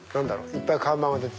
いっぱい看板が出て。